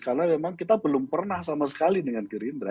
karena memang kita belum pernah sama sekali dengan gerindra